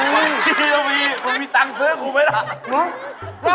มีมีมีตังซ์ซื้อของมันแหละ